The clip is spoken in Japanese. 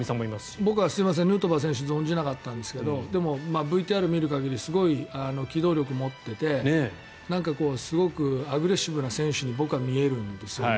僕は、すみませんヌートバー選手を存じ上げなかったんですがでも、ＶＴＲ見る限りすごい機動力を持っていてすごくアグレッシブな選手に僕は見えるんですよね。